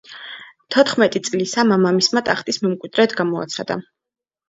თოთხმეტი წლისა მამამისმა ტახტის მემკვიდრედ გამოაცხადა.